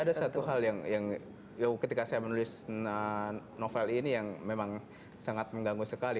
ada satu hal yang ketika saya menulis novel ini yang memang sangat mengganggu sekali